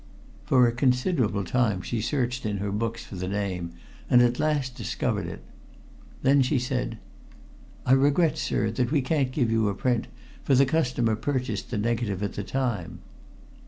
For a considerable time she searched in her books for the name, and at last discovered it. Then she said: "I regret, sir, that we can't give you a print, for the customer purchased the negative at the time."